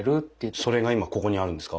それが今ここにあるんですか？